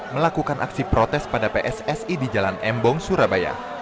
melakukan aksi protes pada pssi di jalan embong surabaya